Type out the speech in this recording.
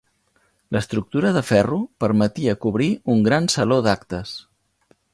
L'estructura de ferro permetia cobrir un gran saló d'actes.